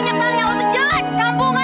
datu seluru berimpan gila